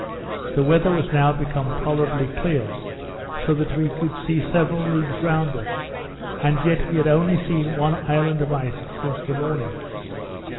The weather was now become tolerably clear, so that we could see several leagues round us; and yet we had only seen one island of ice since the morning.